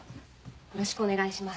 よろしくお願いします。